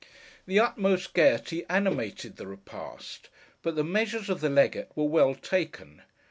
The utmost gaiety animated the repast; but the measures of the legate were well taken.